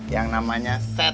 yang namanya setan